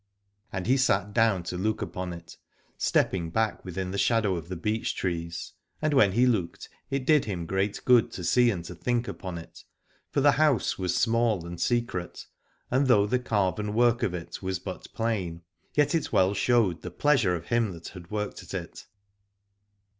And he sat down to look upon it, stepping back within the shadow of the beech trees : and when he looked, it did him great good to see and to think upon it, for the house was small and secret, and though the carven work of it was but plain, yet it well showed the pleasure of him that had worked at it.